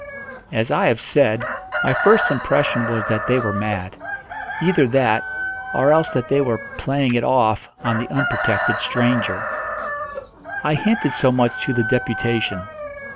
As I have said, my first impression was that they were mad; either that, or else that they were "playing it off" on the unprotected stranger. I hinted so much to the deputation.